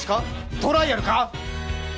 トライアルか？